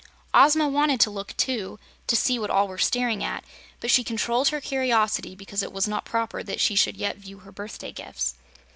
Ozma wanted to look, too, to see what all were staring at, but she controlled her curiosity because it was not proper that she should yet view her birthday gifts.